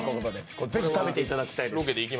これ、ぜひ食べていただきたい。